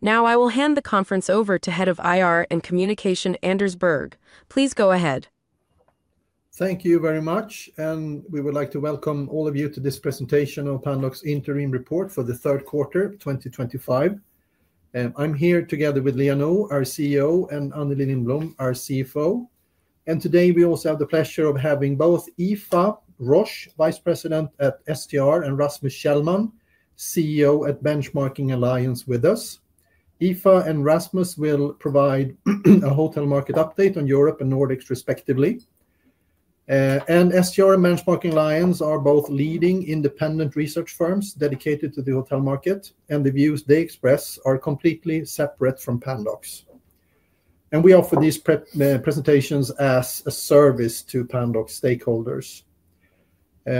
Now I will hand the conference over to Head of Investor Relations and Communication, Anders Berg. Please go ahead. Thank you very much, and we would like to welcome all of you to this presentation of Pandox's interim report for the third quarter 2025. I'm here together with Liia Nõu, our CEO, and Anneli Lindblom, our CFO. Today we also have the pleasure of having both Eva Rosch, Vice President at STR, and Rasmus Schellmann, CEO at Benchmarking Alliance, with us. Eva and Rasmus will provide a hotel market update on Europe and the Nordics, respectively. STR and Benchmarking Alliance are both leading independent research firms dedicated to the hotel market, and the views they express are completely separate from Pandox. We offer these presentations as a service to Pandox stakeholders.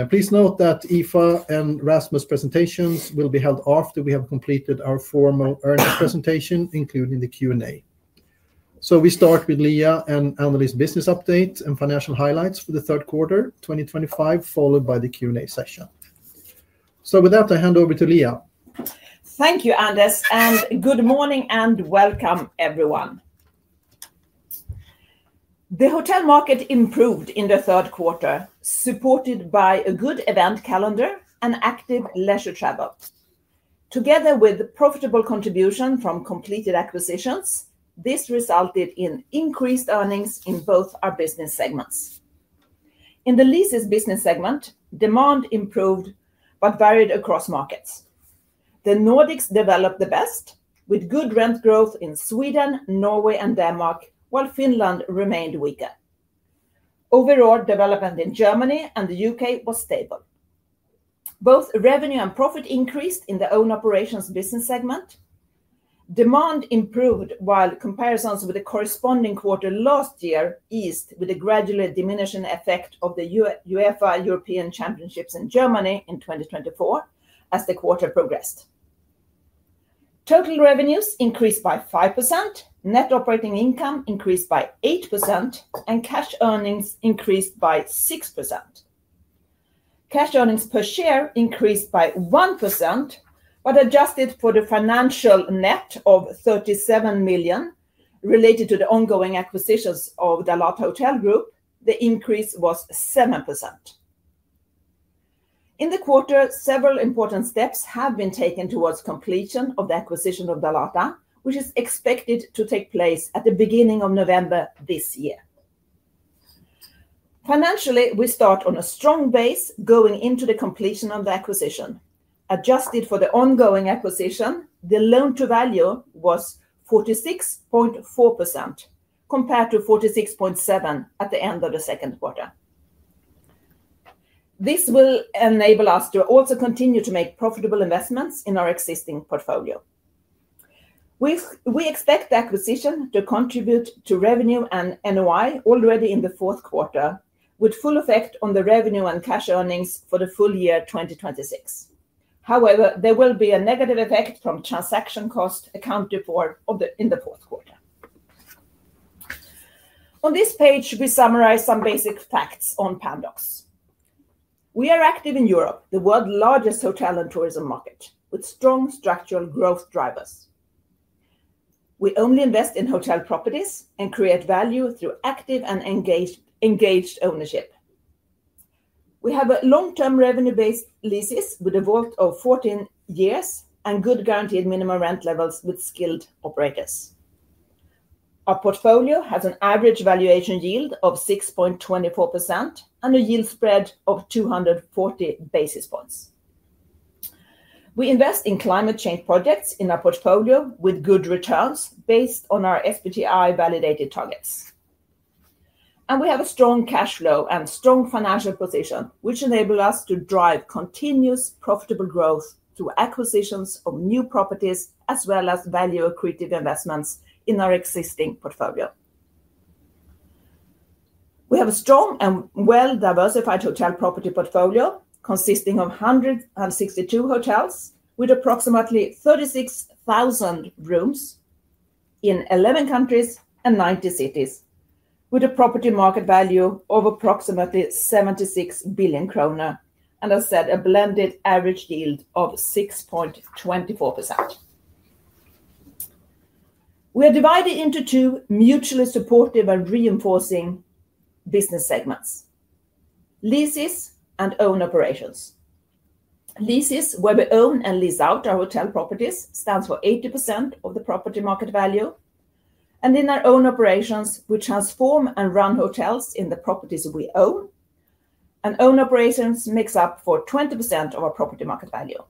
Please note that Eva and Rasmus's presentations will be held after we have completed our formal earnings presentation, including the Q&A. We start with Liia and Anneli's business update and financial highlights for the third quarter 2025, followed by the Q&A session. With that, I hand over to Liia. Thank you, Anders, and good morning and welcome, everyone. The hotel market improved in the third quarter, supported by a good event calendar and active leisure travel. Together with profitable contributions from completed acquisitions, this resulted in increased earnings in both our business segments. In the leases business segment, demand improved but varied across markets. The Nordics developed the best, with good rent growth in Sweden, Norway, and Denmark, while Finland remained weaker. Overall development in Germany and the U.K. was stable. Both revenue and profit increased in the own operations business segment. Demand improved while comparisons with the corresponding quarter last year eased with the gradual diminishing effect of the UEFA European Championships in Germany in 2024 as the quarter progressed. Total revenues increased by 5%, net operating income increased by 8%, and cash earnings increased by 6%. Cash earnings per share increased by 1%, but adjusted for the financial net of $37 million related to the ongoing acquisitions of Dalata Hotel Group, the increase was 7%. In the quarter, several important steps have been taken towards completion of the acquisition of Dalata, which is expected to take place at the beginning of November this year. Financially, we start on a strong base going into the completion of the acquisition. Adjusted for the ongoing acquisition, the loan-to-value was 46.4% compared to 46.7% at the end of the second quarter. This will enable us to also continue to make profitable investments in our existing portfolio. We expect the acquisition to contribute to revenue and NOI already in the fourth quarter, with full effect on the revenue and cash earnings for the full year 2026. However, there will be a negative effect from transaction costs account report in the fourth quarter. On this page, we summarize some basic facts on Pandox. We are active in Europe, the world's largest hotel and tourism market, with strong structural growth drivers. We only invest in hotel properties and create value through active and engaged ownership. We have long-term revenue-based leases with a vault of 14 years and good guaranteed minimum rent levels with skilled operators. Our portfolio has an average valuation yield of 6.24% and a yield spread of 240 basis points. We invest in climate change projects in our portfolio with good returns based on our SBTI-validated targets. We have a strong cash flow and strong financial position, which enables us to drive continuous profitable growth through acquisitions of new properties as well as value-accretive investments in our existing portfolio. We have a strong and well-diversified hotel property portfolio consisting of 162 hotels with approximately 36,000 rooms in 11 countries and 90 cities, with a property market value of approximately 76 billion kronor and, as I said, a blended average yield of 6.24%. We are divided into two mutually supportive and reinforcing business segments: leases and own operations. Leases, where we own and lease out our hotel properties, stand for 80% of the property market value. In our own operations, we transform and run hotels in the properties we own, and own operations makes up 20% of our property market value.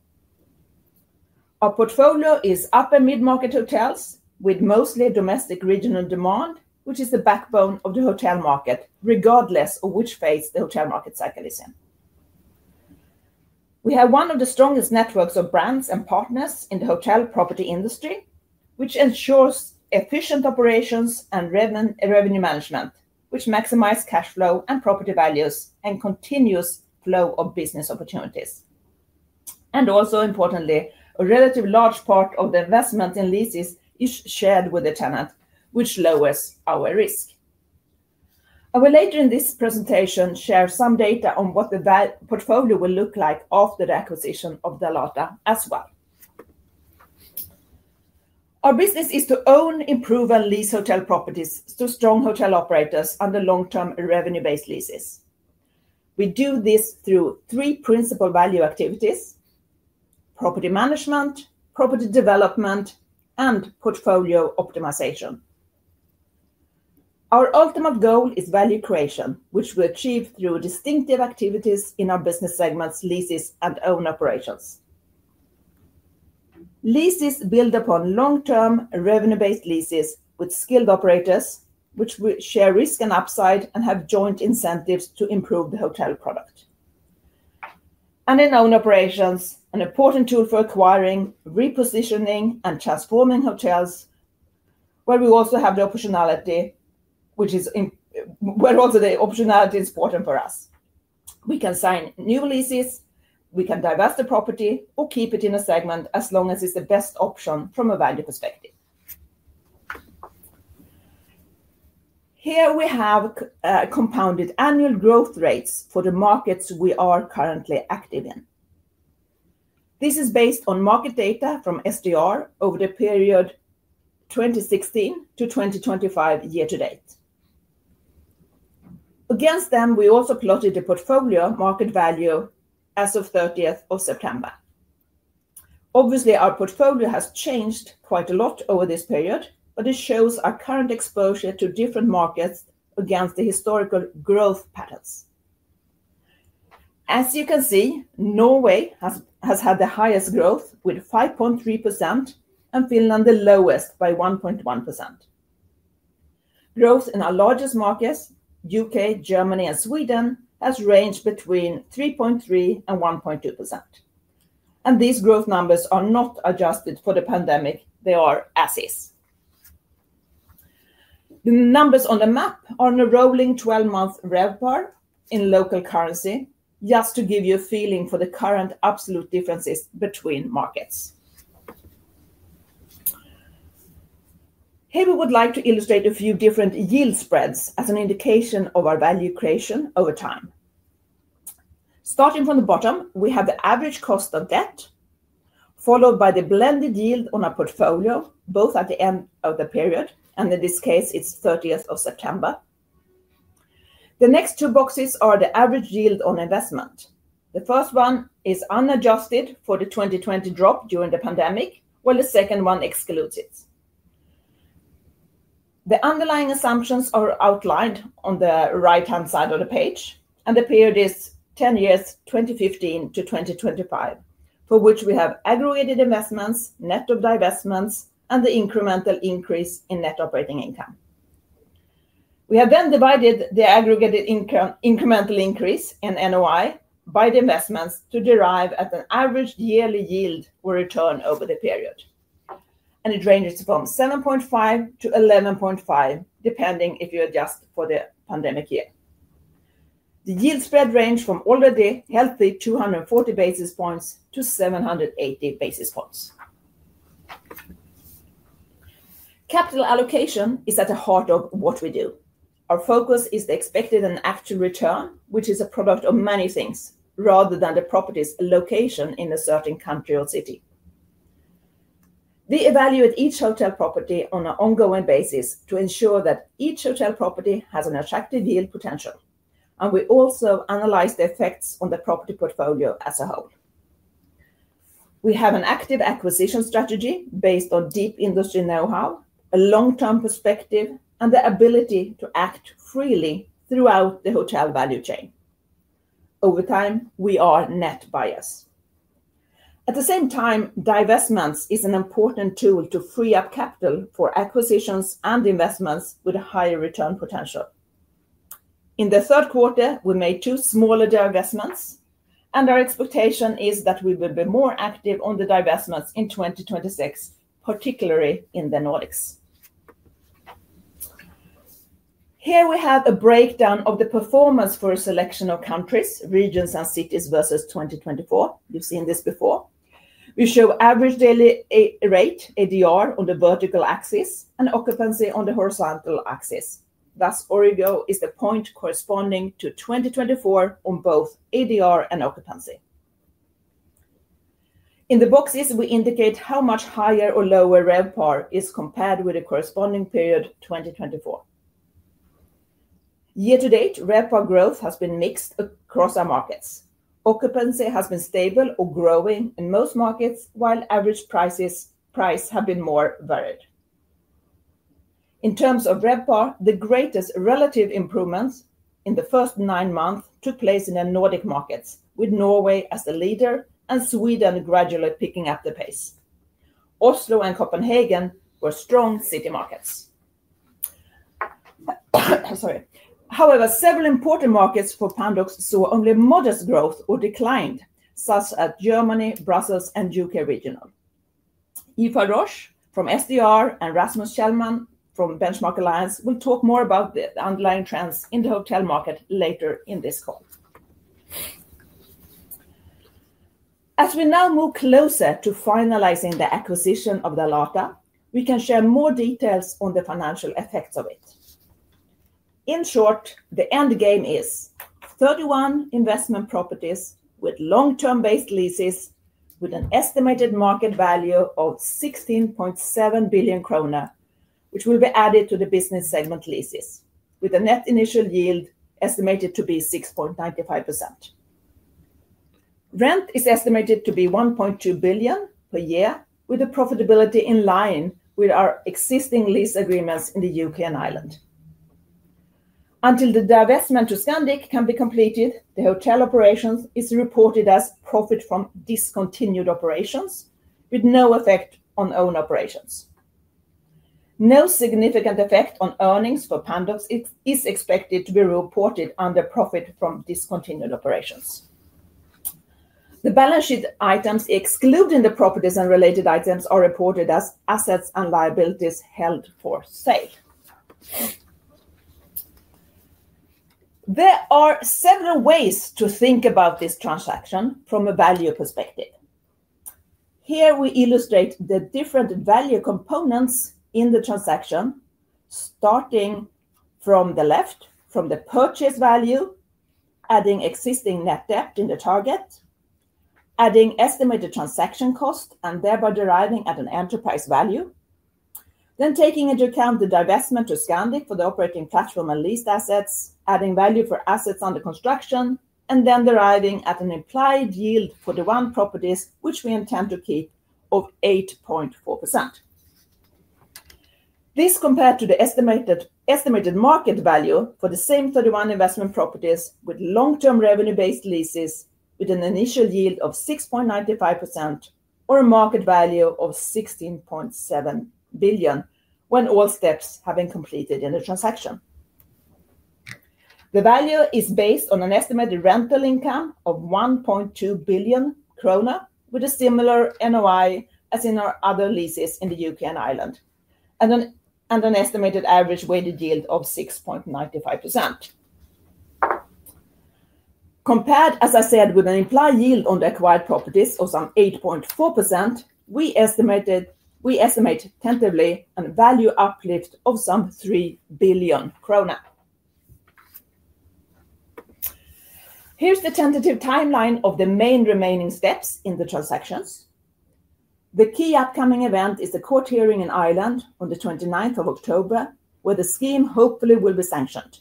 Our portfolio is upper mid-market hotels with mostly domestic regional demand, which is the backbone of the hotel market, regardless of which phase the hotel market cycle is in. We have one of the strongest networks of brands and partners in the hotel property industry, which ensures efficient operations and revenue management, maximizing cash flow and property values and a continuous flow of business opportunities. Also importantly, a relatively large part of the investment in leases is shared with the tenant, which lowers our risk. I will later in this presentation share some data on what the portfolio will look like after the acquisition of Dalata as well. Our business is to own improving lease hotel properties to strong hotel operators under long-term revenue-based leases. We do this through three principal value activities: property management, property development, and portfolio optimization. Our ultimate goal is value creation, which we achieve through distinctive activities in our business segments, leases, and own operations. Leases build upon long-term revenue-based leases with skilled operators, which share risk and upside and have joint incentives to improve the hotel product. In own operations, an important tool for acquiring, repositioning, and transforming hotels, we also have the optionality, which is important for us. We can sign new leases, divest the property, or keep it in a segment as long as it's the best option from a value perspective. Here we have compounded annual growth rates for the markets we are currently active in. This is based on market data from STR over the period 2016-2025 year-to-date. Against them, we also plotted the portfolio market value as of September 30th. Obviously, our portfolio has changed quite a lot over this period, but it shows our current exposure to different markets against the historical growth patterns. As you can see, Norway has had the highest growth with 5.3% and Finland the lowest by 1.1%. Growth in our largest markets, U.K., Germany, and Sweden, has ranged between 3.3% and 1.2%. These growth numbers are not adjusted for the pandemic; they are assets. The numbers on the map are in a rolling 12-month RevPAR in local currency, just to give you a feeling for the current absolute differences between markets. Here we would like to illustrate a few different yield spreads as an indication of our value creation over time. Starting from the bottom, we have the average cost of debt, followed by the blended yield on our portfolio, both at the end of the period, and in this case, it's September 30th. The next two boxes are the average yield on investment. The first one is unadjusted for the 2020 drop during the pandemic, while the second one excludes it. The underlying assumptions are outlined on the right-hand side of the page, and the period is 10 years, 2015-2025, for which we have aggregated investments, net of divestments, and the incremental increase in net operating income. We have then divided the aggregated incremental increase in NOI by the investments to derive at an average yearly yield or return over the period. It ranges from 7.5%-11.5%, depending if you adjust for the pandemic year. The yield spread ranged from already healthy 240 basis points to 780 basis points. Capital allocation is at the heart of what we do. Our focus is the expected and actual return, which is a product of many things, rather than the property's location in a certain country or city. We evaluate each hotel property on an ongoing basis to ensure that each hotel property has an attractive yield potential, and we also analyze the effects on the property portfolio as a whole. We have an active acquisition strategy based on deep industry know-how, a long-term perspective, and the ability to act freely throughout the hotel value chain. Over time, we are net biased. At the same time, divestments is an important tool to free up capital for acquisitions and investments with a higher return potential. In the third quarter, we made two smaller divestments, and our expectation is that we will be more active on the divestments in 2026, particularly in the Nordics. Here we have a breakdown of the performance for a selection of countries, regions, and cities versus 2024. You've seen this before. We show average daily rate, ADR on the vertical axis and occupancy on the horizontal axis. Thus, ORIGO is the point corresponding to 2024 on both ADR and occupancy. In the boxes, we indicate how much higher or lower RevPAR is compared with the corresponding period 2024. Year-to-date, RevPAR growth has been mixed across our markets. Occupancy has been stable or growing in most markets, while average prices have been more varied. In terms of RevPAR, the greatest relative improvements in the first nine months took place in the Nordic markets, with Norway as the leader and Sweden gradually picking up the pace. Oslo and Copenhagen were strong city markets. However, several important markets for Pandox saw only modest growth or declined, such as Germany, Brussels, and U.K. regional. Eva Rosch from STR and Rasmus Schellmann from Benchmarking Alliance will talk more about the underlying trends in the hotel market later in this call. As we now move closer to finalizing the acquisition of Dalata Hotel Group, we can share more details on the financial effects of it. In short, the end game is 31 investment properties with long-term-based leases with an estimated market value of 16.7 billion krona, which will be added to the business segment leases, with a net initial yield estimated to be 6.95%. Rent is estimated to be 1.2 billion per year, with the profitability in line with our existing lease agreements in the U.K. and Ireland. Until the divestment to Scandic can be completed, the hotel operations are reported as profit from discontinued operations, with no effect on own operations. No significant effect on earnings for Pandox is expected to be reported under profit from discontinued operations. The balance sheet items excluding the properties and related items are reported as assets and liabilities held for sale. There are several ways to think about this transaction from a value perspective. Here we illustrate the different value components in the transaction, starting from the left, from the purchase value, adding existing net debt in the target, adding estimated transaction costs, and thereby deriving at an enterprise value. Taking into account the divestment to Scandic for the operating platform and leased assets, adding value for assets under construction, and deriving at an implied yield for the properties which we intend to keep of 8.4%. This is compared to the estimated market value for the same 31 investment properties with long-term revenue-based leases with an initial yield of 6.95% or a market value of 16.7 billion when all steps have been completed in the transaction. The value is based on an estimated rental income of 1.2 billion krona with a similar NOI as in our other leases in the U.K. and Ireland, and an estimated average weighted yield of 6.95%. Compared, as I said, with an implied yield on the acquired properties of some 8.4%, we estimate tentatively a value uplift of some 3 billion krona. Here is the tentative timeline of the main remaining steps in the transactions. The key upcoming event is the court hearing in Ireland on the 29th of October, where the scheme hopefully will be sanctioned.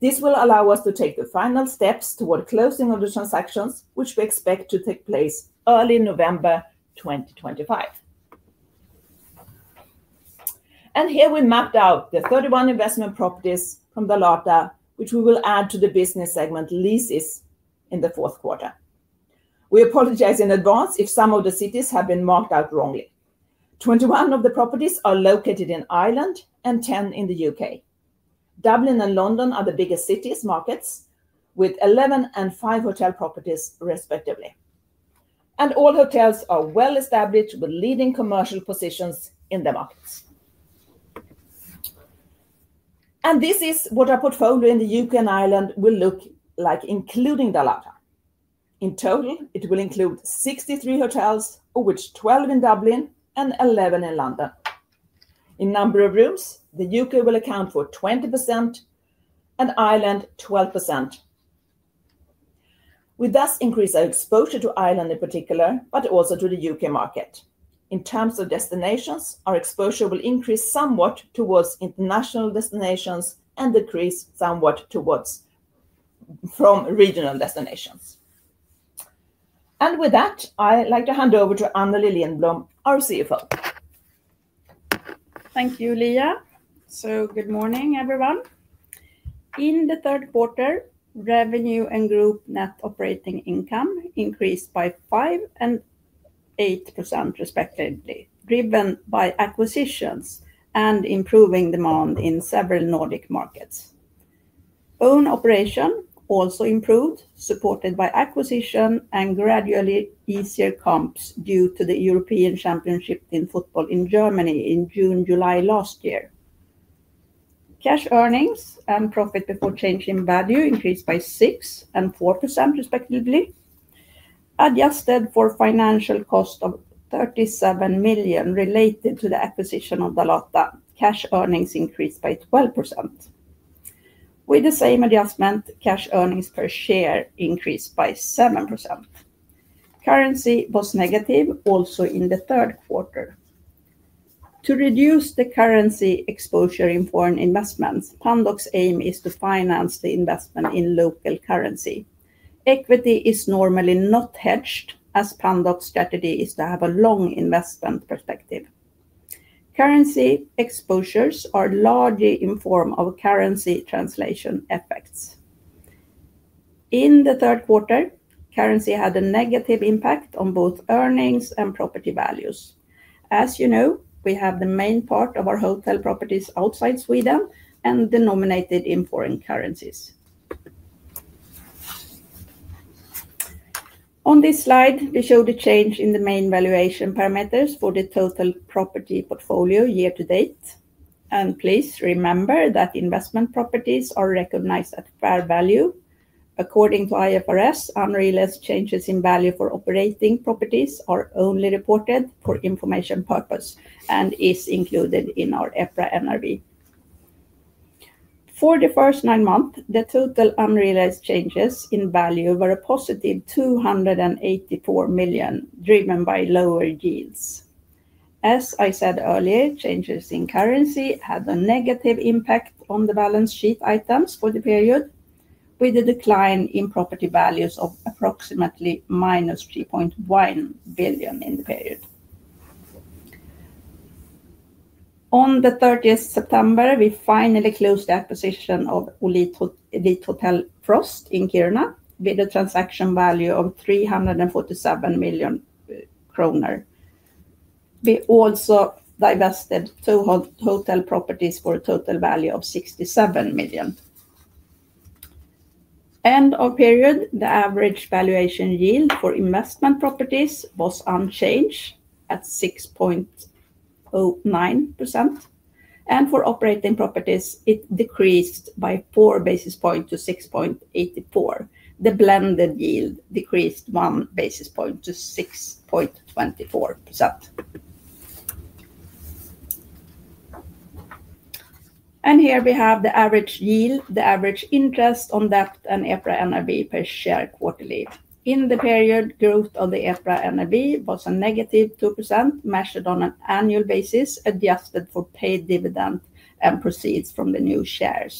This will allow us to take the final steps toward closing of the transactions, which we expect to take place early November 2025. Here we mapped out the 31 investment properties from Dalata which we will add to the business segment leases in the fourth quarter. We apologize in advance if some of the cities have been marked out wrongly. 21 of the properties are located in Ireland and 10 in the U.K. Dublin and London are the biggest cities' markets, with 11 and 5 hotel properties respectively. All hotels are well established with leading commercial positions in the markets. This is what our portfolio in the U.K. and Ireland will look like, including Dalata. In total, it will include 63 hotels, of which 12 in Dublin and 11 in London. In number of rooms, the U.K. will account for 20% and Ireland 12%. We thus increase our exposure to Ireland in particular, but also to the U.K. market. In terms of destinations, our exposure will increase somewhat towards international destinations and decrease somewhat towards regional destinations. With that, I'd like to hand over to Anneli Lindblom, our CFO. Thank you, Liia. Good morning, everyone. In the third quarter, revenue and group net operating income increased by 5% and 8% respectively, driven by acquisitions and improving demand in several Nordic markets. Own operation also improved, supported by acquisition and gradually easier comps due to the European Championship in football in Germany in June-July last year. Cash earnings and profit before change in value increased by 6% and 4% respectively. Adjusted for financial cost of 37 million related to the acquisition of Dalata, cash earnings increased by 12%. With the same adjustment, cash earnings per share increased by 7%. Currency was negative also in the third quarter. To reduce the currency exposure in foreign investments, Pandox's aim is to finance the investment in local currency. Equity is normally not hedged, as Pandox's strategy is to have a long investment perspective. Currency exposures are largely in form of currency translation effects. In the third quarter, currency had a negative impact on both earnings and property values. As you know, we have the main part of our hotel properties outside Sweden and denominated in foreign currencies. On this slide, we show the change in the main valuation parameters for the total property portfolio year to date. Please remember that investment properties are recognized at fair value. According to IFRS, unrealized changes in value for operating properties are only reported for information purpose and are included in our EPRA NRV. For the first nine months, the total unrealized changes in value were a +284 million, driven by lower yields. As I said earlier, changes in currency had a negative impact on the balance sheet items for the period, with a decline in property values of approximately -3.1 billion in the period. On the 30th of September, we finally closed the acquisition of Elite Hotel Frost in Kiruna with a transaction value of 347 million kronor. We also divested two hotel properties for a total value of 67 million. End of period, the average valuation yield for investment properties was unchanged at 6.09%, and for operating properties, it decreased by 4 basis points to 6.84%. The blended yield decreased 1 basis point to 6.24%. Here we have the average yield, the average interest on debt, and EPRA NRV per share quarterly. In the period, growth of the EPRA NRV was a -2%, measured on an annual basis, adjusted for paid dividend and proceeds from the new shares.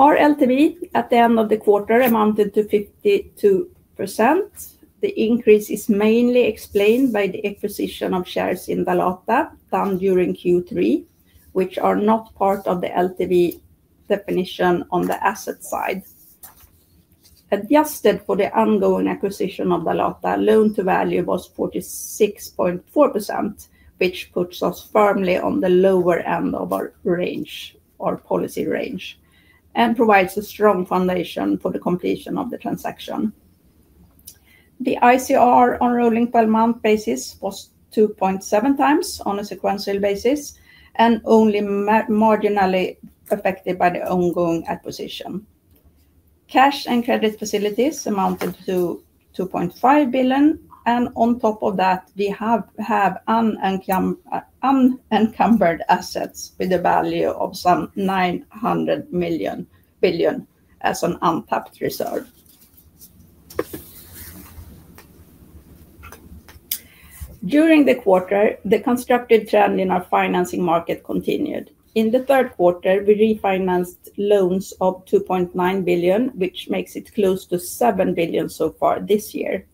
Our loan-to-value ratio at the end of the quarter amounted to 52%. The increase is mainly explained by the acquisition of shares in Dalata done during Q3, which are not part of the LTV definition on the asset side. Adjusted for the ongoing acquisition of Dalata, loan-to-value was 46.4%, which puts us firmly on the lower end of our policy range and provides a strong foundation for the completion of the transaction. The ICR on a rolling per month basis was 2.7x on a sequential basis and only marginally affected by the ongoing acquisition. Cash and credit facilities amounted to 2.5 billion, and on top of that, we have unencumbered assets with a value of some 900 million as an untapped reserve. During the quarter, the constructive trend in our financing market continued. In the third quarter, we refinanced loans of 2.9 billion, which makes it close to 7 billion so far this year.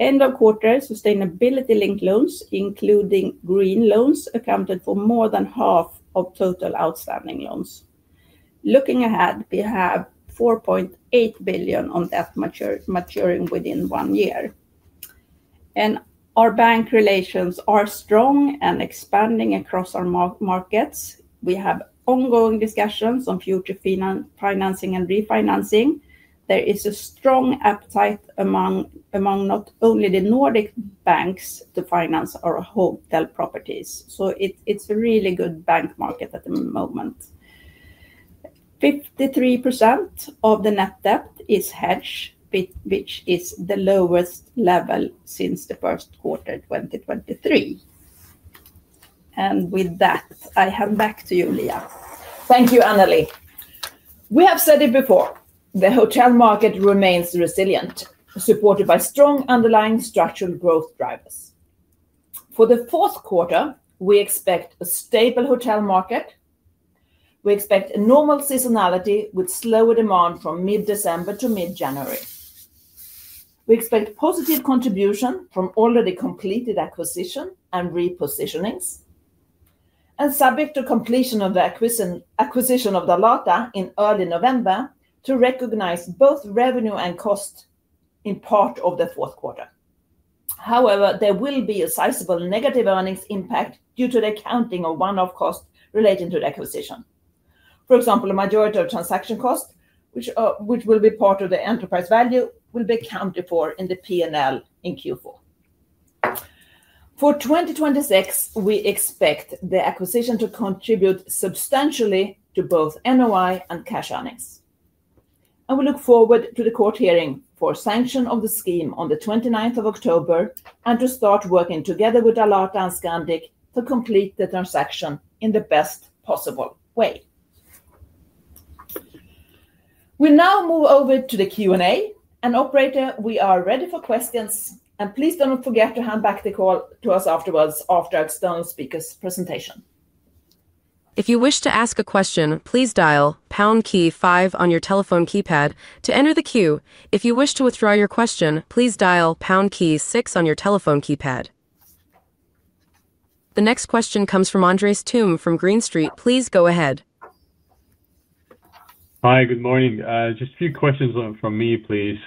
End of quarter, sustainability-linked loans, including green loans, accounted for more than half of total outstanding loans. Looking ahead, we have 4.8 billion on debt maturing within one year. Our bank relations are strong and expanding across our markets. We have ongoing discussions on future financing and refinancing. There is a strong appetite among not only the Nordic banks to finance our hotel properties. It is a really good bank market at the moment. 53% of the net debt is hedged, which is the lowest level since the first quarter 2023. With that, I hand back to you, Liia. Thank you, Anneli. We have said it before. The hotel market remains resilient, supported by strong underlying structural growth drivers. For the fourth quarter, we expect a stable hotel market. We expect a normal seasonality with slower demand from mid-December to mid-January. We expect positive contribution from already completed acquisitions and repositionings. Subject to completion of the acquisition of Dalata in early November, we expect to recognize both revenue and cost in part of the fourth quarter. However, there will be a sizable negative earnings impact due to the accounting of one-off costs relating to the acquisition. For example, a majority of transaction costs, which will be part of the enterprise value, will be accounted for in the P&L in Q4. For 2026, we expect the acquisition to contribute substantially to both NOI and cash earnings. We look forward to the court hearing for sanction of the scheme on the 29th of October and to start working together with Dalata and Scandic to complete the transaction in the best possible way. We'll now move over to the Q&A. Operator, we are ready for questions. Please don't forget to hand back the call to us afterwards after external speakers' presentation. If you wish to ask a question, please dial pound key five on your telephone keypad to enter the queue. If you wish to withdraw your question, please dial pound key six on your telephone keypad. The next question comes from Andreas Thum from Green Street. Please go ahead. Hi, good morning. Just a few questions from me, please.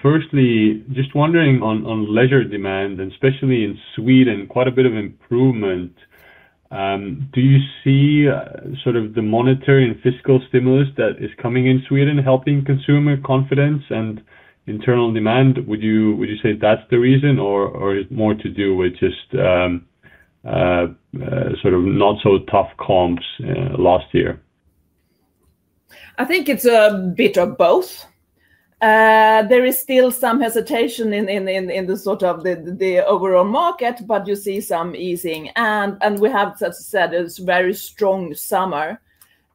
Firstly, just wondering on leisure demand, and especially in Sweden, quite a bit of improvement. Do you see sort of the monetary and fiscal stimulus that is coming in Sweden helping consumer confidence and internal demand? Would you say that's the reason, or is it more to do with just sort of not-so-tough comps last year? I think it's a bit of both. There is still some hesitation in the overall market, but you see some easing. We have, as I said, a very strong summer.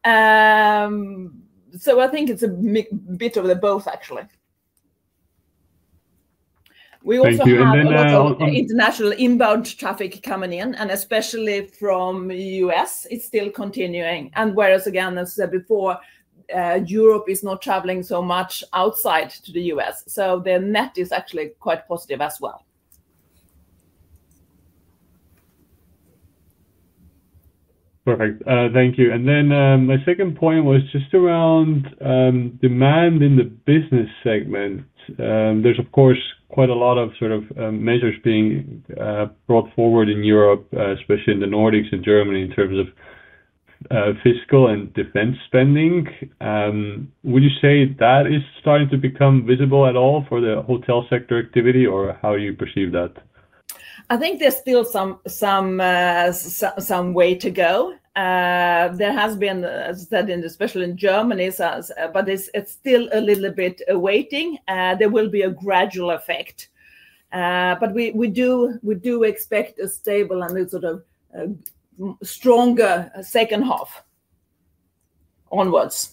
I think it's a bit of both, actually. Thank you. International inbound traffic coming in, especially from the U.S., is still continuing. Whereas, again, as I said before, Europe is not traveling so much outside to the U.S., so the net is actually quite positive as well. Perfect. Thank you. My second point was just around demand in the business segment. There's, of course, quite a lot of measures being brought forward in Europe, especially in the Nordics and Germany in terms of fiscal and defense spending. Would you say that is starting to become visible at all for the hotel sector activity, or how do you perceive that? I think there's still some way to go. There has been, as I said, especially in Germany, but it's still a little bit awaiting. There will be a gradual effect. We do expect a stable and a sort of stronger second half onwards.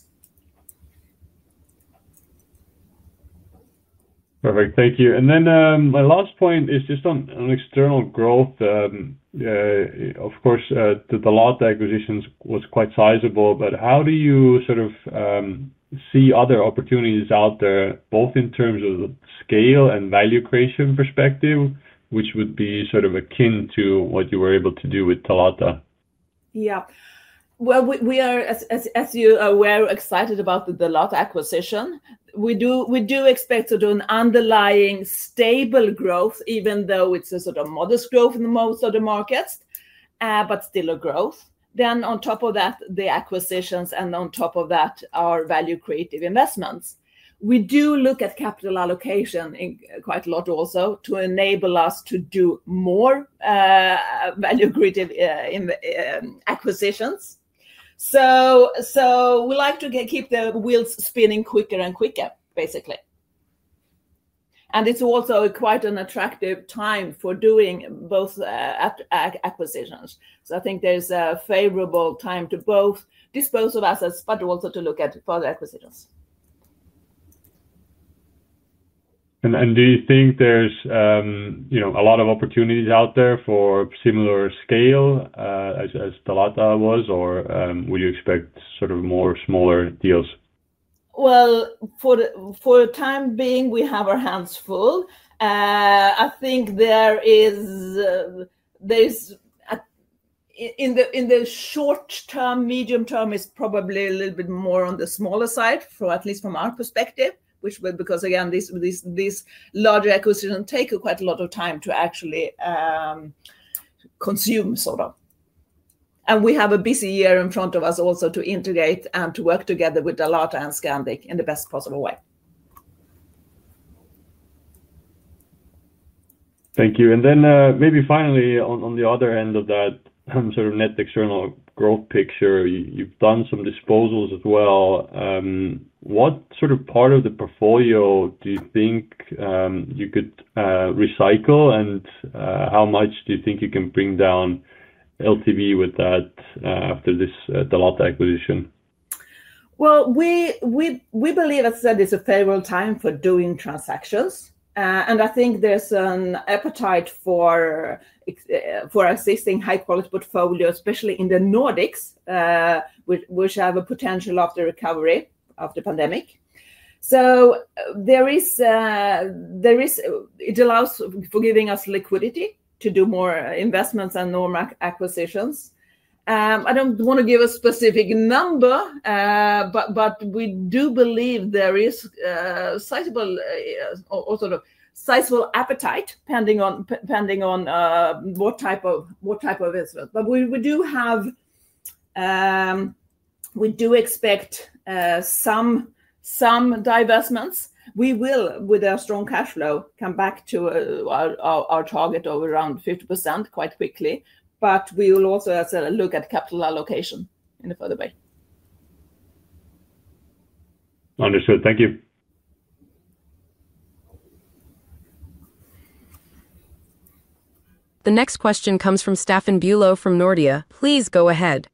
Perfect. Thank you. My last point is just on external growth. Of course, the Dalata acquisition was quite sizable, but how do you sort of see other opportunities out there, both in terms of scale and value creation perspective, which would be sort of akin to what you were able to do with Dalata? We are, as you are aware, excited about the Dalata acquisition. We do expect to do an underlying stable growth, even though it's a sort of modest growth in most of the markets, but still a growth. On top of that, the acquisitions, and on top of that, our value-created investments. We do look at capital allocation quite a lot also to enable us to do more value-created acquisitions. We like to keep the wheels spinning quicker and quicker, basically. It is also quite an attractive time for doing both acquisitions. I think there's a favorable time to both dispose of assets, but also to look at further acquisitions. Do you think there's a lot of opportunities out there for similar scale as Dallata was, or would you expect more smaller deals? For the time being, we have our hands full. I think there is, in the short term, medium term is probably a little bit more on the smaller side, at least from our perspective, which will, because again, these larger acquisitions take quite a lot of time to actually consume, sort of. We have a busy year in front of us also to integrate and to work together with Dalata and Scandic in the best possible way. Thank you. Finally, on the other end of that sort of net external growth picture, you've done some disposals as well. What sort of part of the portfolio do you think you could recycle, and how much do you think you can bring down LTV with that after this Dalata acquisition? We believe, as I said, it's a favorable time for doing transactions. I think there's an appetite for existing high-quality portfolios, especially in the Nordics, which have a potential of the recovery of the pandemic. It allows for giving us liquidity to do more investments and more acquisitions. I don't want to give a specific number, but we do believe there is a sizable appetite depending on what type of investment. We do have, we do expect some divestments. We will, with our strong cash flow, come back to our target of around 50% quite quickly. We will also, as I said, look at capital allocation in a further way. Understood. Thank you. The next question comes from Stefan Bülow from Nordea. Please go ahead.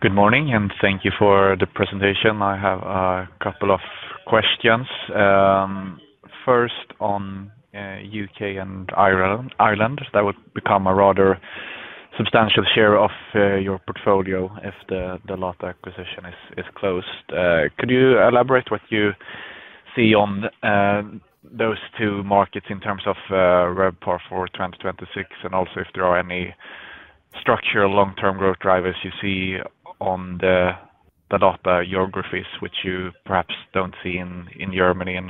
Good morning, and thank you for the presentation. I have a couple of questions. First, on U.K. and Ireland, that would become a rather substantial share of your portfolio if the Dalata acquisition is closed. Could you elaborate what you see on those two markets in terms of RevPAR for 2026, and also if there are any structural long-term growth drivers you see on the Dalata geographies, which you perhaps don't see in Germany and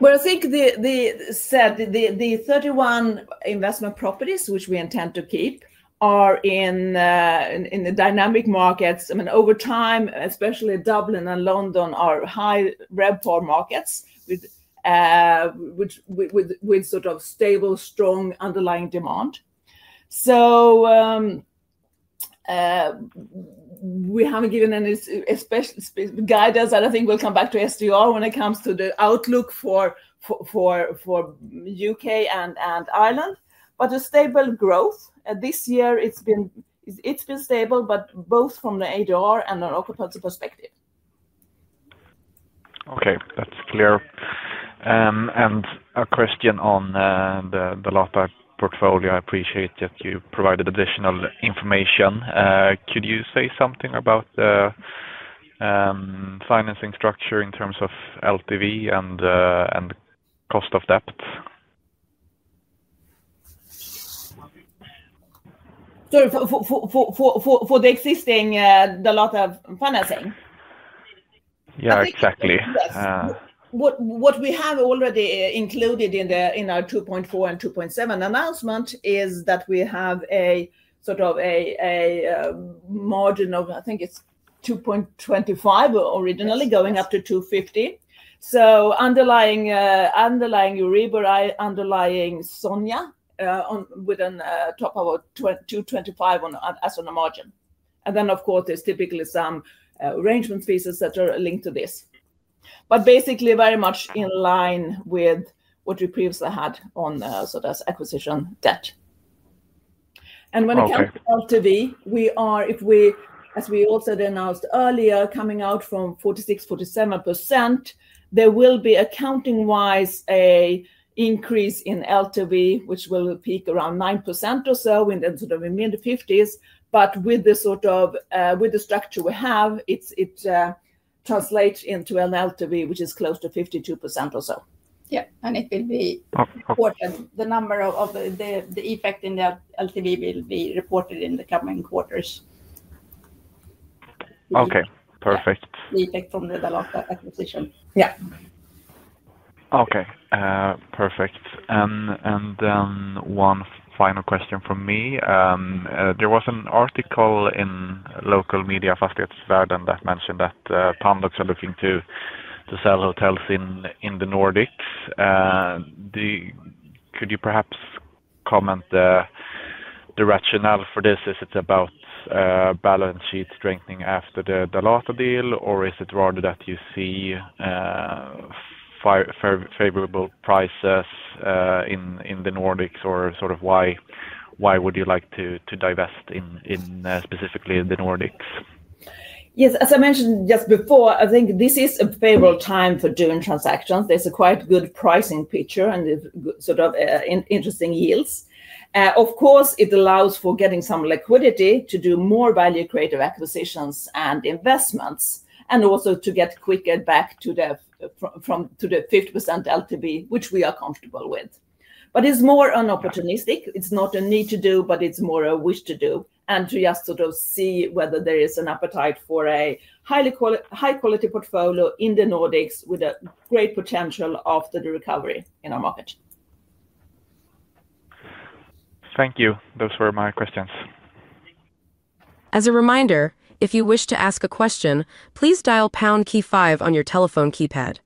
Nordics? I think the 31 investment properties, which we intend to keep, are in the dynamic markets. I mean, over time, especially Dublin and London are high RevPAR markets with sort of stable, strong underlying demand. We haven't given any guidance, and I think we'll come back to STR when it comes to the outlook for U.K. and Ireland. A stable growth. This year, it's been stable, both from the ADR and an occupancy perspective. Okay. That's clear. A question on the Dalata portfolio. I appreciate that you provided additional information. Could you say something about the financing structure in terms of LTV and cost of debt? Sorry, for the existing Dalata financing? Yeah, exactly. What we have already included in our 2.4 and 2.7 announcement is that we have a sort of a margin of, I think it's 2.25 originally, going up to 2.50. Underlying Euribor, underlying Sonia, with a top of 2.25 as on a margin. Of course, there's typically some arrangement fees that are linked to this. Basically, very much in line with what we previously had on sort of acquisition debt. When it comes to LTV, we are, as we also announced earlier, coming out from 46%, 47%. There will be accounting-wise an increase in LTV, which will peak around 9% or so in the sort of mid-50s. With the sort of structure we have, it translates into an LTV which is close to 52% or so. It will be reported. The number of the effect in the loan-to-value ratio will be reported in the coming quarters. Okay, perfect. The effect from the Dalata acquisition, yeah. Okay. Perfect. One final question from me. There was an article in local media, Fastighetsvärlden, that mentioned that Pandox are looking to sell hotels in the Nordics. Could you perhaps comment on the rationale for this? Is it about balance sheet strengthening after the Dalata deal, or is it rather that you see favorable prices in the Nordics, or why would you like to divest specifically in the Nordics? Yes. As I mentioned just before, I think this is a favorable time for doing transactions. There is a quite good pricing picture and sort of interesting yields. Of course, it allows for getting some liquidity to do more value-creative acquisitions and investments, and also to get quicker back to the 50% loan-to-value ratio, which we are comfortable with. It is more opportunistic. It is not a need to do, it is more a wish to do, and to just sort of see whether there is an appetite for a high-quality portfolio in the Nordics with a great potential after the recovery in our market. Thank you. Those were my questions. As a reminder, if you wish to ask a question, please dial the pound key five on your telephone keypad.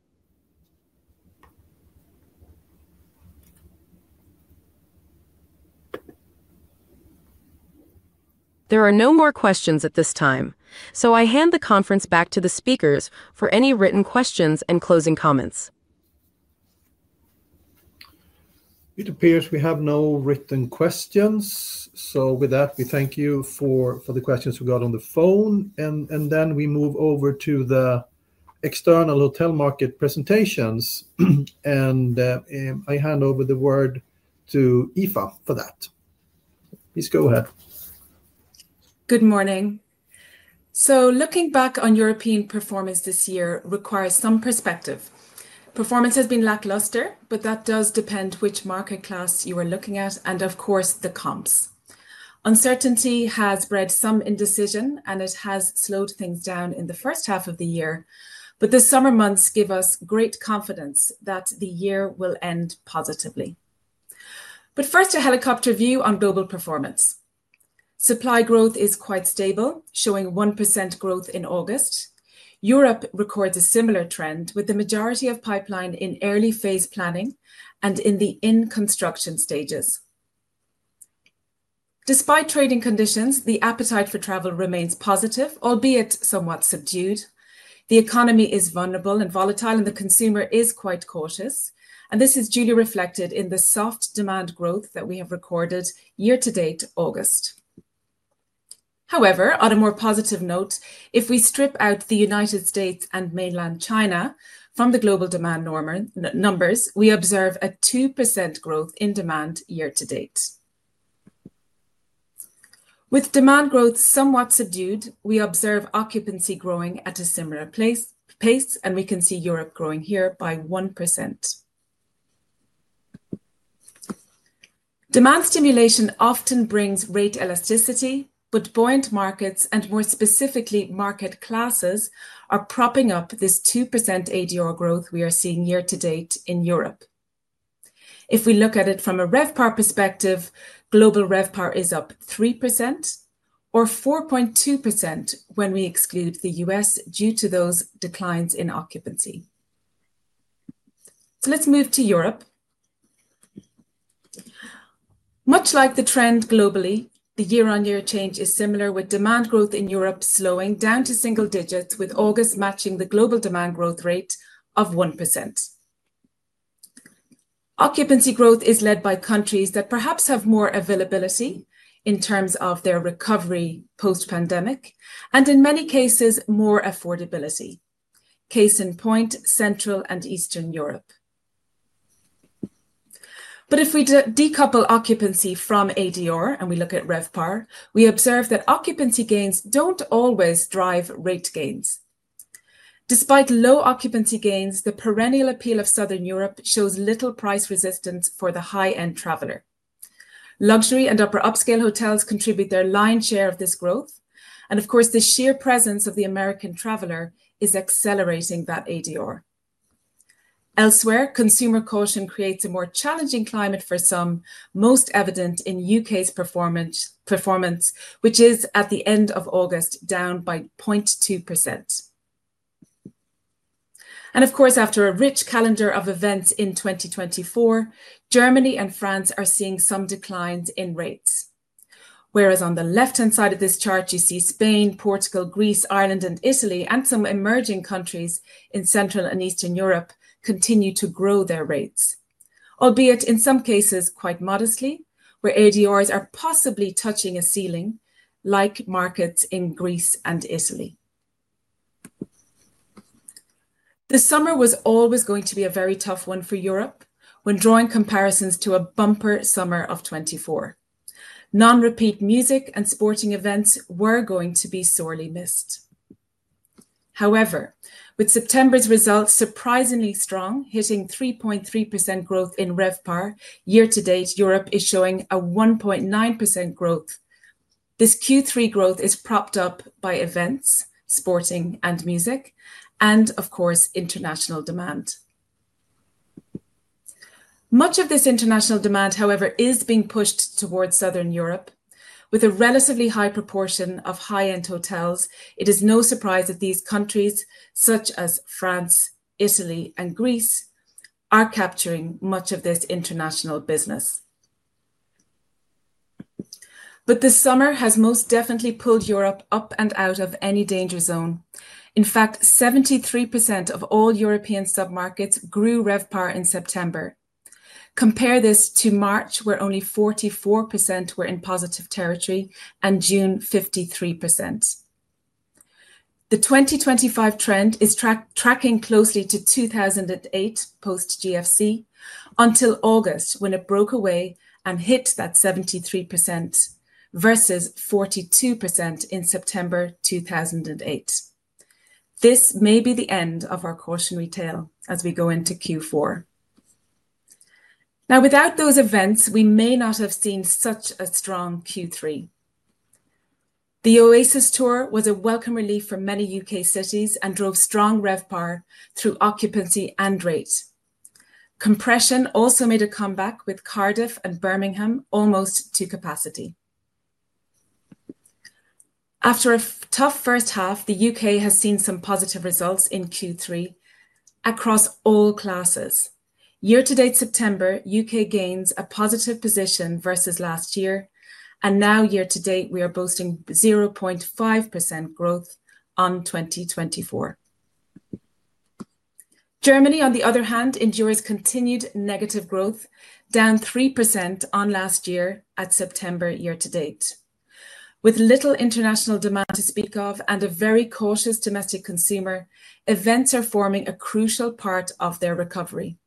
There are no more questions at this time. I hand the conference back to the speakers for any written questions and closing comments. It appears we have no written questions. With that, we thank you for the questions we got on the phone. We move over to the external hotel market presentations. I hand over the word to Eva for that. Please go ahead. Good morning. Looking back on European performance this year requires some perspective. Performance has been lackluster, but that does depend which market class you are looking at, and of course, the comps. Uncertainty has bred some indecision, and it has slowed things down in the first half of the year. The summer months give us great confidence that the year will end positively. First, a helicopter view on global performance. Supply growth is quite stable, showing 1% growth in August. Europe records a similar trend, with the majority of pipeline in early phase planning and in the in-construction stages. Despite trading conditions, the appetite for travel remains positive, albeit somewhat subdued. The economy is vulnerable and volatile, and the consumer is quite cautious. This is duly reflected in the soft demand growth that we have recorded year-to-date August. On a more positive note, if we strip out the United States and mainland China from the global demand numbers, we observe a 2% growth in demand year to date. With demand growth somewhat subdued, we observe occupancy growing at a similar pace, and we can see Europe growing here by 1%. Demand stimulation often brings rate elasticity, but buoyant markets, and more specifically, market classes are propping up this 2% ADR growth we are seeing year to date in Europe. If we look at it from a RevPAR perspective, global RevPAR is up 3% or 4.2% when we exclude the U.S. due to those declines in occupancy. Let's move to Europe. Much like the trend globally, the year-on-year change is similar, with demand growth in Europe slowing down to single digits, with August matching the global demand growth rate of 1%. Occupancy growth is led by countries that perhaps have more availability in terms of their recovery post-pandemic, and in many cases, more affordability. Case in point, Central and Eastern Europe. If we decouple occupancy from ADR and we look at RevPAR, we observe that occupancy gains don't always drive rate gains. Despite low occupancy gains, the perennial appeal of Southern Europe shows little price resistance for the high-end traveler. Luxury and upper upscale hotels contribute their lion's share of this growth. The sheer presence of the American traveler is accelerating that ADR. Elsewhere, consumer caution creates a more challenging climate for some, most evident in U.K.'s performance, which is at the end of August down by 0.2%. Of course, after a rich calendar of events in 2024, Germany and France are seeing some declines in rates. Whereas on the left-hand side of this chart, you see Spain, Portugal, Greece, Ireland, and Italy, and some emerging countries in Central and Eastern Europe continue to grow their rates, albeit in some cases quite modestly, where ADRs are possibly touching a ceiling, like markets in Greece and Italy. The summer was always going to be a very tough one for Europe when drawing comparisons to a bumper summer of 2024. Non-repeat music and sporting events were going to be sorely missed. However, with September's results surprisingly strong, hitting 3.3% growth in rev par, year to date, Europe is showing a 1.9% growth. This Q3 growth is propped up by events, sporting, and music, and international demand. Much of this international demand, however, is being pushed towards Southern Europe. With a relatively high proportion of high-end hotels, it is no surprise that these countries, such as France, Italy, and Greece, are capturing much of this international business. The summer has most definitely pulled Europe up and out of any danger zone. In fact, 73% of all European submarkets grew rev par in September. Compare this to March, where only 44% were in positive territory, and June, 53%. The 2025 trend is tracking closely to 2008 post-GFC until August, when it broke away and hit that 73% versus 42% in September 2008. This may be the end of our cautionary tale as we go into Q4. Now, without those events, we may not have seen such a strong Q3. The Oasis tour was a welcome relief for many U.K. cities and drove strong rev par through occupancy and rates. Compression also made a comeback with Cardiff and Birmingham almost to capacity. After a tough first half, the U.K. has seen some positive results in Q3 across all classes. Year-to-date September, U.K. gains a positive position versus last year, and now year-to-date, we are boasting 0.5% growth on 2024. Germany, on the other hand, endures continued negative growth, down 3% on last year at September year-to-date. With little international demand to speak of and a very cautious domestic consumer, events are forming a crucial part of their recovery,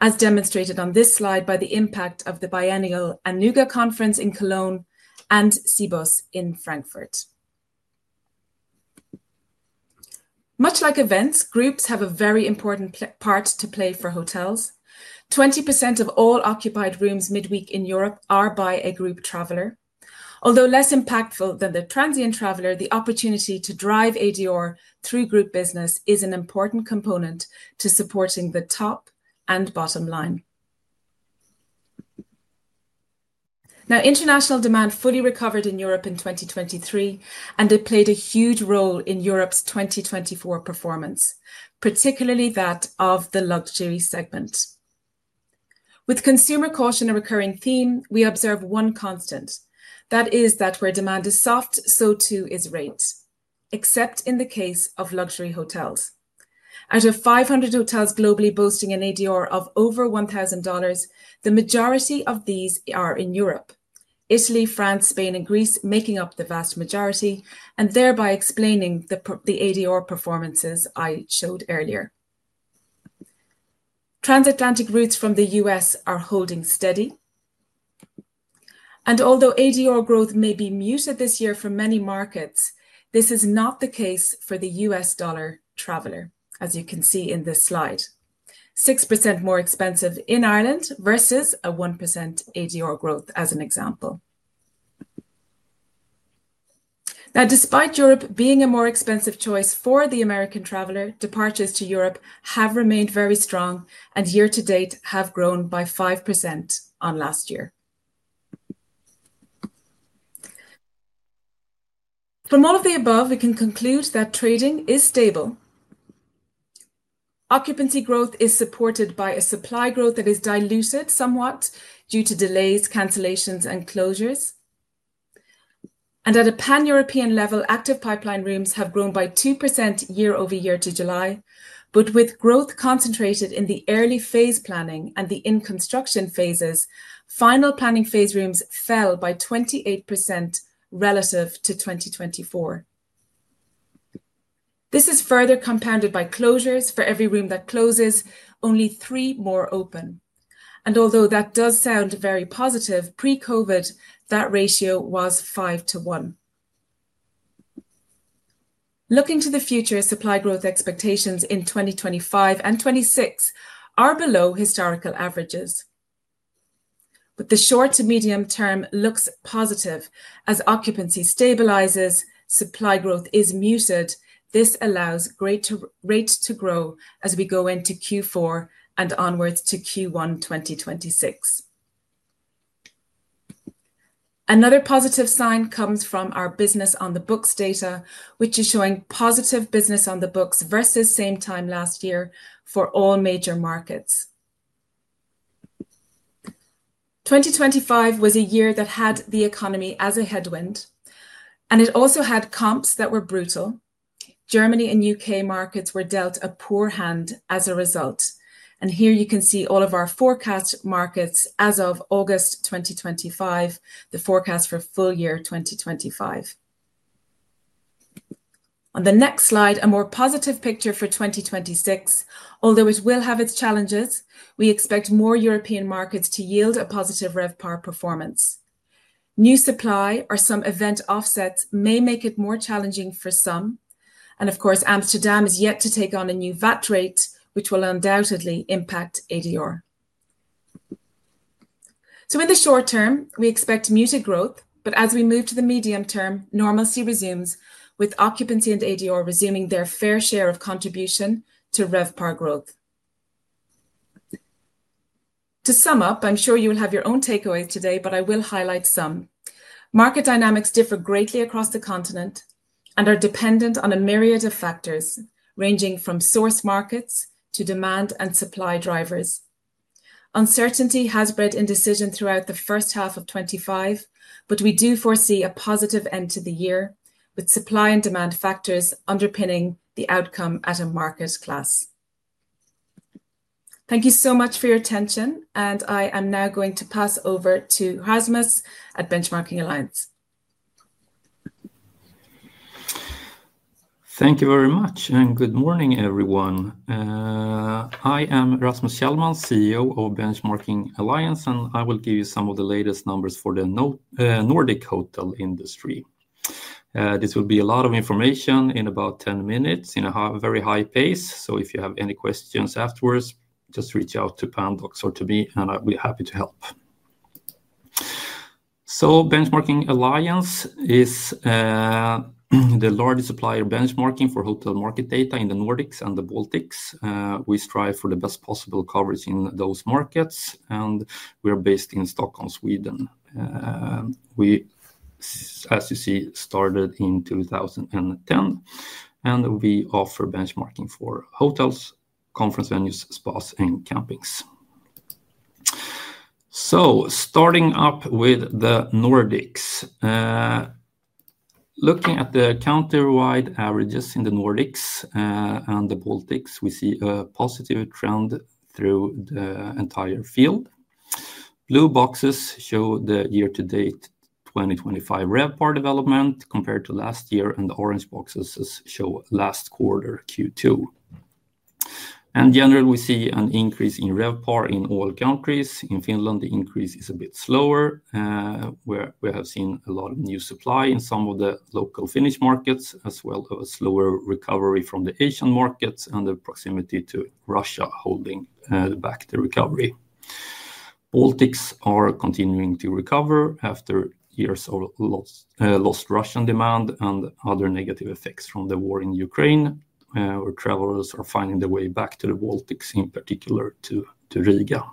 as demonstrated on this slide by the impact of the biennial Anuga Conference in Cologne and CBOS in Frankfurt. Much like events, groups have a very important part to play for hotels. 20% of all occupied rooms midweek in Europe are by a group traveler. Although less impactful than the transient traveler, the opportunity to drive ADR through group business is an important component to supporting the top and bottom line. Now, international demand fully recovered in Europe in 2023, and it played a huge role in Europe's 2024 performance, particularly that of the luxury segment. With consumer caution a recurring theme, we observe one constant. That is that where demand is soft, so too is rate, except in the case of luxury hotels. Out of 500 hotels globally boasting an ADR of over $1,000, the majority of these are in Europe. Italy, France, Spain, and Greece make up the vast majority, thereby explaining the ADR performances I showed earlier. Transatlantic routes from the U.S. are holding steady. Although ADR growth may be muted this year for many markets, this is not the case for the U.S. dollar traveler, as you can see in this slide. 6% more expensive in Ireland versus a 1% ADR growth as an example. Despite Europe being a more expensive choice for the American traveler, departures to Europe have remained very strong and year-to-date have grown by 5% on last year. From all of the above, we can conclude that trading is stable. Occupancy growth is supported by a supply growth that is diluted somewhat due to delays, cancellations, and closures. At a pan-European level, active pipeline rooms have grown by 2% year-over-year to July. With growth concentrated in the early phase planning and the in-construction phases, final planning phase rooms fell by 28% relative to 2024. This is further compounded by closures. For every room that closes, only three more open. Although that does sound very positive, pre-COVID, that ratio was 5:1. Looking to the future, supply growth expectations in 2025 and 2026 are below historical averages. The short to medium term looks positive. As occupancy stabilizes, supply growth is muted. This allows rate to grow as we go into Q4 and onwards to Q1 2026. Another positive sign comes from our business on the books data, which is showing positive business on the books versus same time last year for all major markets. 2025 was a year that had the economy as a headwind, and it also had comps that were brutal. Germany and U.K. markets were dealt a poor hand as a result. Here you can see all of our forecast markets as of August 2025, the forecast for full year 2025. On the next slide, a more positive picture for 2026. Although it will have its challenges, we expect more European markets to yield a positive RevPAR performance. New supply or some event offsets may make it more challenging for some. Amsterdam is yet to take on a new VAT rate, which will undoubtedly impact ADR. In the short term, we expect muted growth. As we move to the medium term, normalcy resumes, with occupancy and ADR resuming their fair share of contribution to RevPAR growth. To sum up, I'm sure you will have your own takeaways today, but I will highlight some. Market dynamics differ greatly across the continent and are dependent on a myriad of factors, ranging from source markets to demand and supply drivers. Uncertainty has bred indecision throughout the first half of 2025, but we do foresee a positive end to the year, with supply and demand factors underpinning the outcome at a market class. Thank you so much for your attention. I am now going to pass over to Rasmus at Benchmarking Alliance. Thank you very much, and good morning, everyone. I am Rasmus Schellmann, CEO of Benchmarking Alliance, and I will give you some of the latest numbers for the Nordic hotel industry. This will be a lot of information in about 10 minutes in a very high pace. If you have any questions afterwards, just reach out to Pandox or to me, and I'll be happy to help. Benchmarking Alliance is the largest supplier of benchmarking for hotel market data in the Nordics and the Baltics. We strive for the best possible coverage in those markets, and we are based in Stockholm, Sweden. As you see, we started in 2010, and we offer benchmarking for hotels, conference venues, spas, and campings. Starting up with the Nordics, looking at the countrywide averages in the Nordics and the Baltics, we see a positive trend through the entire field. Blue boxes show the year-to-date 2025 RevPAR development compared to last year, and the orange boxes show last quarter Q2. Generally, we see an increase in RevPAR in all countries. In Finland, the increase is a bit slower. We have seen a lot of new supply in some of the local Finnish markets, as well as a slower recovery from the Asian markets and the proximity to Russia holding back the recovery. The Baltics are continuing to recover after years of lost Russian demand and other negative effects from the war in Ukraine, where travelers are finding their way back to the Baltics, in particular to Riga.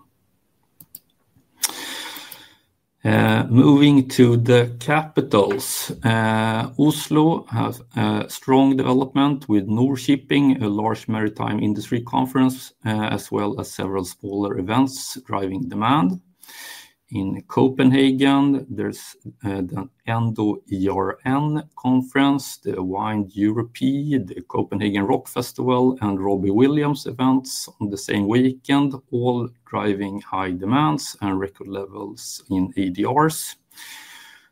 Moving to the capitals, Oslo has a strong development with Nor-Shipping, a large maritime industry conference, as well as several smaller events driving demand. In Copenhagen, there's the EndoERN conference, the Wine Europe, the Copenhagen Rock Festival, and Robbie Williams events on the same weekend, all driving high demands and record levels in ADRs.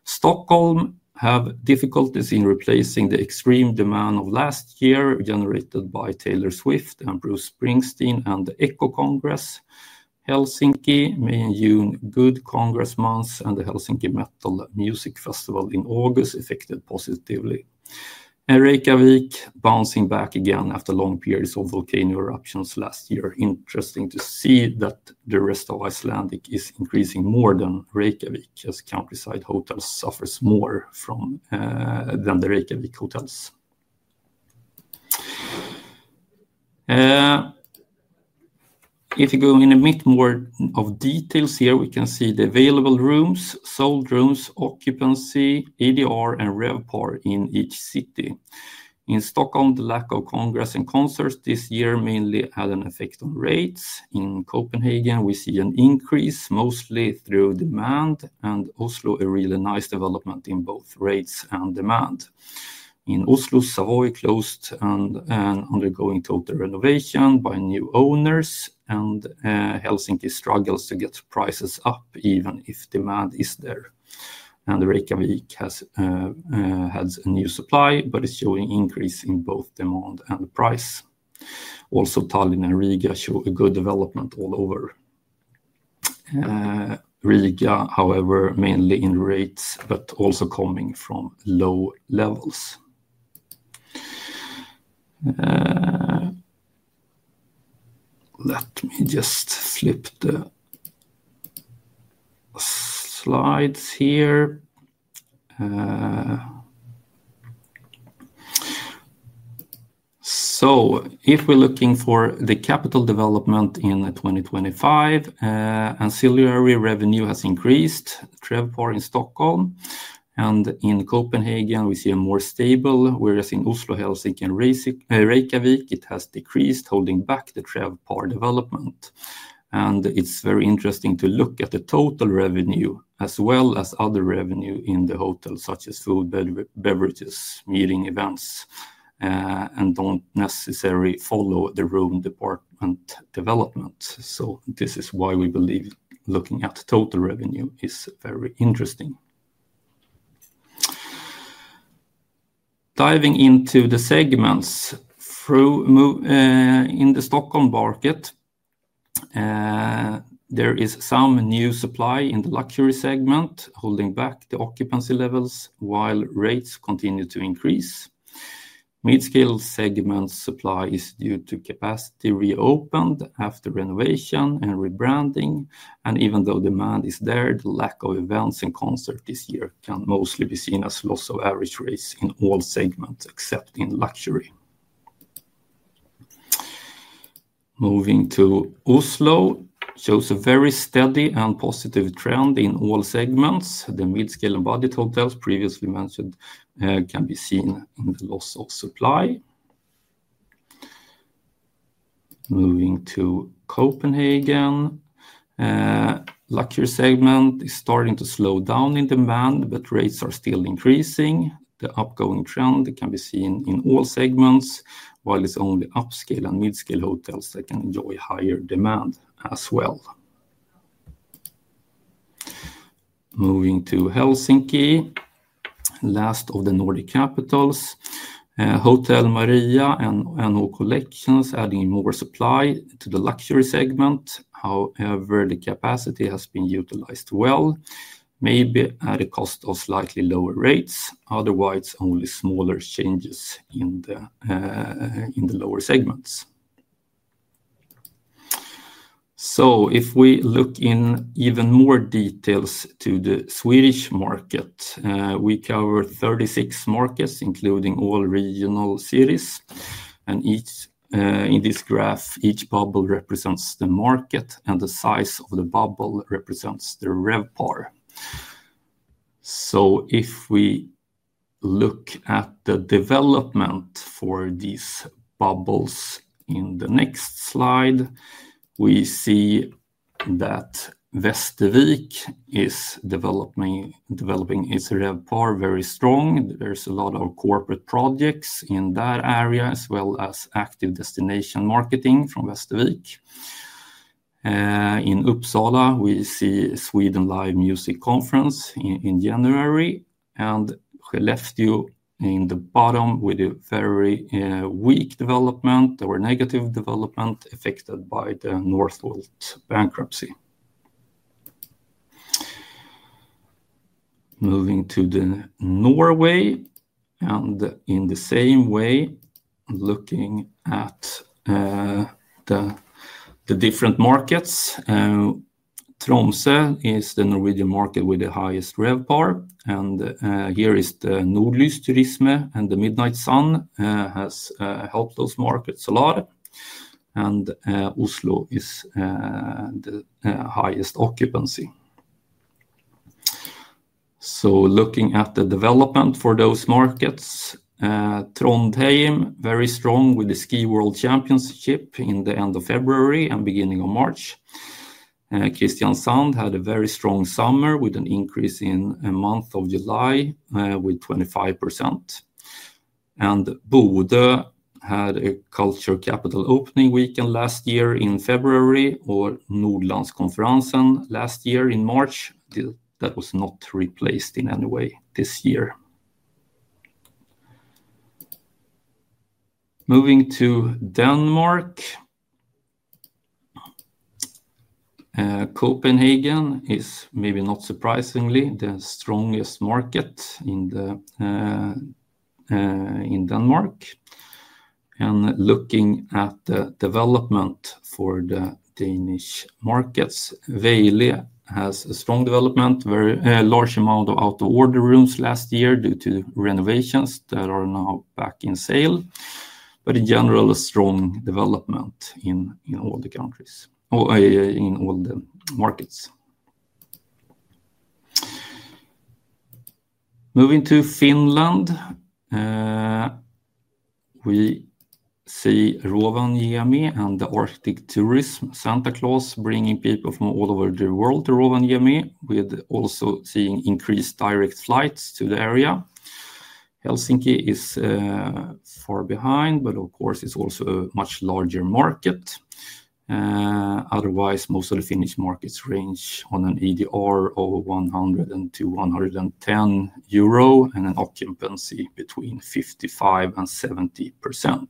Stockholm has difficulties in replacing the extreme demand of last year generated by Taylor Swift and Bruce Springsteen and the ECHO Congress. Helsinki, May and June, good congress months, and the Helsinki Metal Music Festival in August affected positively. Reykjavik is bouncing back again after long periods of volcano eruptions last year. It is interesting to see that the rest of Iceland is increasing more than Reykjavik, as countryside hotels suffer more than the Reykjavik hotels. If you go in a bit more of details here, we can see the available rooms, sold rooms, occupancy, ADR, and RevPAR in each city. In Stockholm, the lack of congress and concerts this year mainly had an effect on rates. In Copenhagen, we see an increase, mostly through demand, and Oslo, a really nice development in both rates and demand. In Oslo, Savoy closed and is undergoing total renovation by new owners, and Helsinki struggles to get prices up even if demand is there. Reykjavik has had a new supply, but it's showing an increase in both demand and price. Also, Tallinn and Riga show a good development all over. Riga, however, mainly in rates, but also coming from low levels. Let me just flip the slides here. If we're looking for the capital development in 2025, ancillary revenue has increased, travel par in Stockholm. In Copenhagen, we see a more stable, whereas in Oslo, Helsinki, and Reykjavik, it has decreased, holding back the travel par development. It is very interesting to look at the total revenue as well as other revenue in the hotel, such as food, beverages, meeting events, and these don't necessarily follow the room department development. This is why we believe looking at total revenue is very interesting. Diving into the segments in the Stockholm market, there is some new supply in the luxury segment, holding back the occupancy levels while rates continue to increase. Mid-scale segment supply is due to capacity reopened after renovation and rebranding. Even though demand is there, the lack of events and concerts this year can mostly be seen as loss of average rates in all segments except in luxury. Moving to Oslo, it shows a very steady and positive trend in all segments. The mid-scale and budget hotels previously mentioned can be seen in the loss of supply. Moving to Copenhagen, the luxury segment is starting to slow down in demand, but rates are still increasing. The upgoing trend can be seen in all segments, while it's only upscale and mid-scale hotels that can enjoy higher demand as well. Moving to Helsinki, the last of the Nordic capitals, Hotel Maria and NO Collections are adding more supply to the luxury segment. However, the capacity has been utilized well, maybe at a cost of slightly lower rates. Otherwise, only smaller changes in the lower segments. If we look in even more detail to the Swedish market, we cover 36 markets, including all regional series. In this graph, each bubble represents the market, and the size of the bubble represents the RevPAR. If we look at the development for these bubbles in the next slide, we see that Västervik is developing its RevPAR very strong. There's a lot of corporate projects in that area, as well as active destination marketing from Västervik. In Uppsala, we see Sweden Live Music Conference in January. Skellefteå is at the bottom with a very weak development or negative development affected by the Northvolt bankruptcy. Moving to Norway, in the same way, looking at the different markets, Tromsø is the Norwegian market with the highest RevPAR. Here is the Nordlyst Turisme, and the Midnight Sun has helped those markets a lot. Oslo has the highest occupancy. Looking at the development for those markets, Trondheim is very strong with the Ski World Championship at the end of February and beginning of March. Kristiansand had a very strong summer with an increase in the month of July with 25%. Bodø had a culture capital opening weekend last year in February, or Nordlandskonferensen last year in March. That was not replaced in any way this year. Moving to Denmark, Copenhagen is maybe not surprisingly the strongest market in Denmark. Looking at the development for the Danish markets, Vejle has a strong development, a large amount of out-of-order rooms last year due to renovations that are now back in sale. In general, a strong development in all the markets. Moving to Finland, we see Rovaniemi and the Arctic Tourism. Santa Claus is bringing people from all over the world to Rovaniemi, with also seeing increased direct flights to the area. Helsinki is far behind, but of course, it's also a much larger market. Otherwise, most of the Finnish markets range on an ADR of 100-110 euro and an occupancy between 55% and 70%.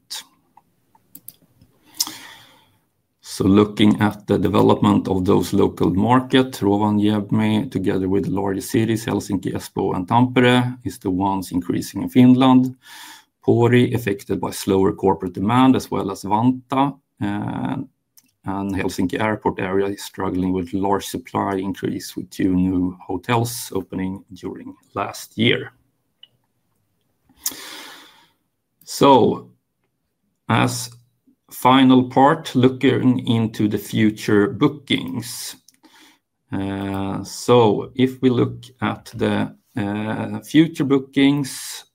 Looking at the development of those local markets, Rovaniemi, together with the larger cities, Helsinki, Espoo, and Tampere, is the ones increasing in Finland. Pori is affected by slower corporate demand, as well as Vantaa. The Helsinki airport area is struggling with a large supply increase with two new hotels opening during last year. As a final part, looking into the future bookings. If we look at the future bookings,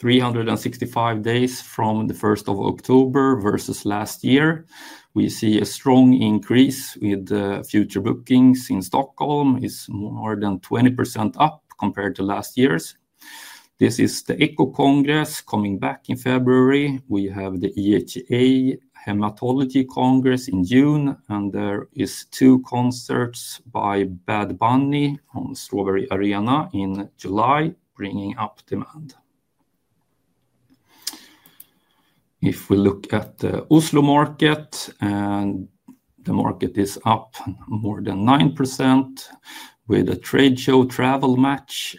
365 days from the 1st of October versus last year, we see a strong increase with the future bookings in Stockholm. It's more than 20% up compared to last year's. This is the Echo Congress coming back in February. We have the EHA Hematology Congress in June, and there are two concerts by Bad Bunny at Strawberry Arena in July, bringing up demand. If we look at the Oslo market, the market is up more than 9% with a trade show Travel Match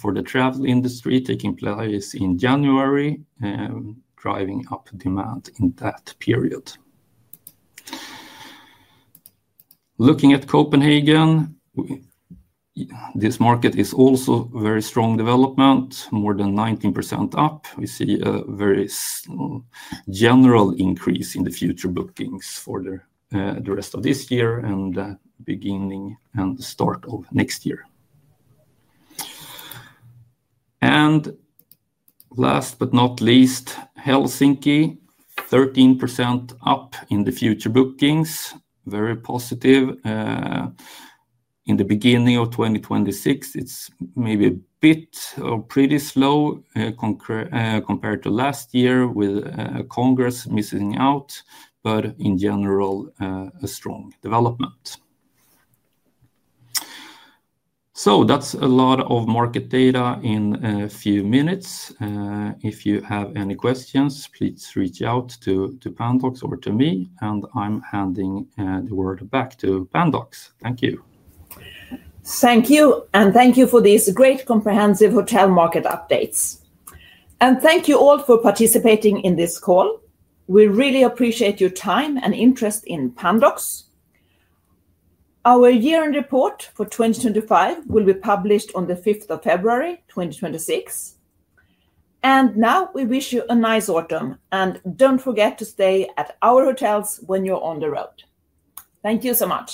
for the travel industry taking place in January, driving up demand in that period. Looking at Copenhagen, this market is also a very strong development, more than 19% up. We see a very general increase in the future bookings for the rest of this year and the beginning and the start of next year. Last but not least, Helsinki, 13% up in the future bookings, very positive. In the beginning of 2026, it's maybe a bit or pretty slow compared to last year with Congress missing out, but in general, a strong development. That's a lot of market data in a few minutes. If you have any questions, please reach out to Pandox or to me, and I'm handing the word back to Pandox. Thank you. Thank you, and thank you for these great comprehensive hotel market updates. Thank you all for participating in this call. We really appreciate your time and interest in Pandox. Our year-end report for 2025 will be published on February 5th, 2026. We wish you a nice autumn, and don't forget to stay at our hotels when you're on the road. Thank you so much.